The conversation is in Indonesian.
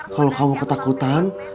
kalau kamu ketakutan